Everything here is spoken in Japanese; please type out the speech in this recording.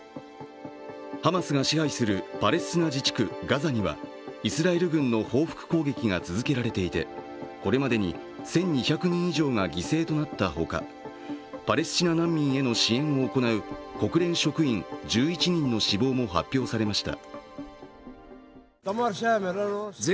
ハマスが支配するパレスチナ自治区ガザにはイスラエル軍の報復攻撃が続けられていてこれまでに１２００人以上が犠牲となったほかパレスチナ難民への支援を行う国連職員１１人の死亡も発表されました。